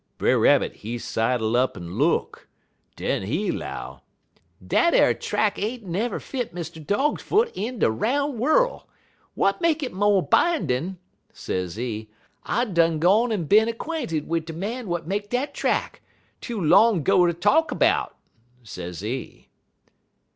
"Brer Rabbit, he sidle up en look. Den he 'low: "'Dat ar track ain't never fit Mr. Dog foot in de roun' worl'. W'at make it mo' bindin',' sezee, 'I done gone en bin 'quainted wid de man w'at make dat track, too long 'go ter talk 'bout,' sezee.